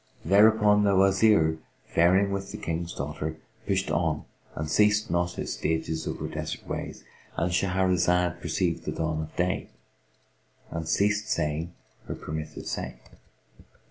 Thereupon the Wazir, faring with the King's daughter, pushed on and ceased not his stages over desert ways,—And Shahrazad perceived the dawn of day and ceased saying her permitted say.